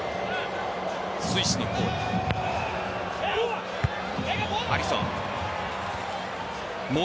スイスのコーナー。